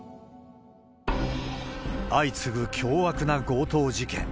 相次ぐ凶悪な強盗事件。